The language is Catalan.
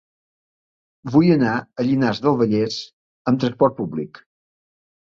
Vull anar a Llinars del Vallès amb trasport públic.